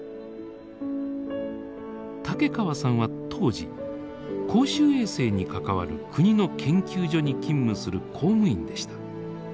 竹川さんは当時公衆衛生に関わる国の研究所に勤務する公務員でした。